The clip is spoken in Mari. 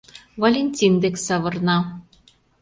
Валентин дек савырна.